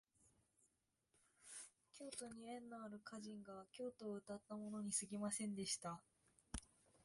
京都に縁のある歌人が京都をうたったものにすぎませんでした